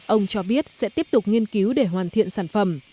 ông cho biết sẽ tiếp tục nghiên cứu để hoàn thiện sản phẩm